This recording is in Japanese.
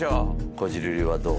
こじるりはどう？